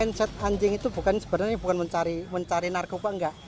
dan zat anjing itu sebenarnya bukan mencari narkotika enggak